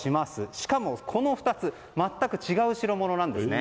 しかも、この２つ全く違う代物なんですね。